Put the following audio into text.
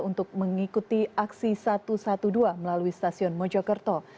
untuk mengikuti aksi satu ratus dua belas melalui stasiun mojokerto